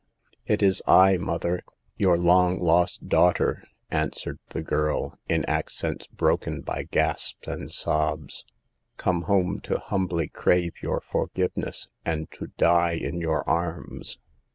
It is I, mother, your long lost daughter," answered the girl, in accents broken by gasps and sobs, " come home to humbly crave your forgiveness and to die in your arms."